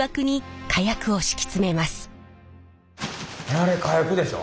あれ火薬でしょ？